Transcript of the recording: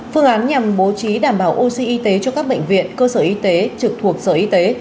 phương án nhằm bố trí đảm bảo oxy y tế cho các bệnh viện cơ sở y tế trực thuộc sở y tế